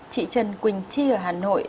chị trần quỳnh chi ở hà nội